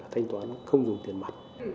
thành toán không dùng tiền mặt